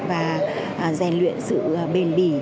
và rèn luyện sự bền bỉ